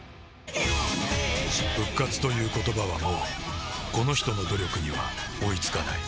復活という言葉はもうこの人の努力には追いつかない